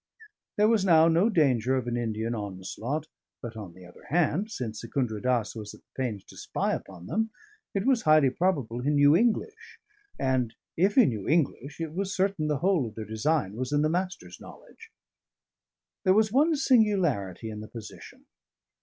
There was now no danger of an Indian onslaught; but on the other hand, since Secundra Dass was at the pains to spy upon them, it was highly probable he knew English, and if he knew English it was certain the whole of their design was in the Master's knowledge. There was one singularity in the position.